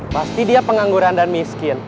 pasti dia pengangguran dan miskin